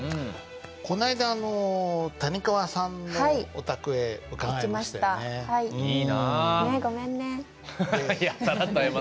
この間あの谷川さんのお宅へ伺いましたよね。